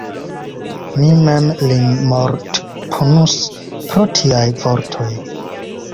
Mi mem lin mortpunus pro tiaj vortoj!